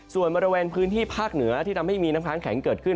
ส่วนบริเวณพื้นที่ภาคเหนือที่ทำให้มีน้ำค้างแข็งเกิดขึ้น